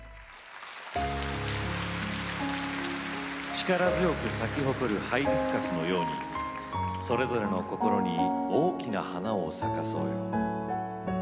力強く咲き誇るハイビスカスのようにそれぞれの心に大きな花を咲かそうよ。